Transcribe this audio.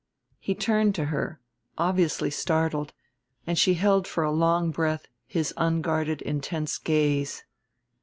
He turned to her, obviously startled, and she held for a long breath his unguarded intense gaze.